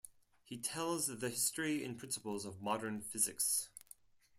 He tells the history and principles of modern physics.